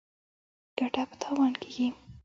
ـ ګټه په تاوان کېږي.